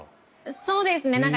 そうですか？